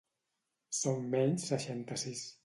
Són menys seixanta-sis